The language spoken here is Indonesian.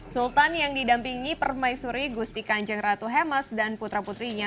sultan yang didampingi permaisuri gusti kanjeng ratu hemas dan putra putrinya